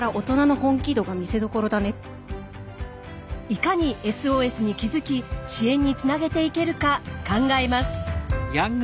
いかにＳＯＳに気づき支援につなげていけるか考えます。